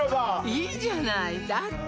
いいじゃないだって